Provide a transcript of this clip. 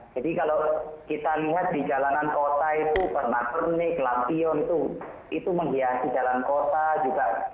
jadi kalau kita lihat di jalanan kota itu pernakernik lampion itu itu menghiasi jalan kota juga